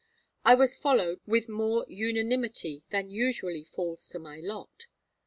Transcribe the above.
I was followed with more unanimity than usually falls to my lot.